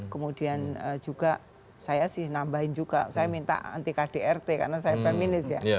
kemudian juga saya sih nambahin juga saya minta anti kdrt karena saya peminis ya